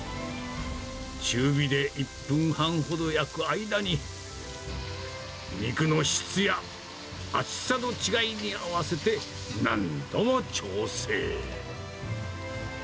中火で１分半ほど焼く間に、肉の質や厚さの違いに合わせて何度も調整。